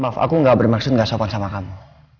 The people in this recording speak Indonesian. maaf aku gak bermaksud gak sopan sama kamu